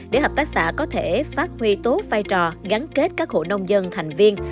để hợp tác xã có thể phát huy tốt vai trò gắn kết các hộ nông dân thành viên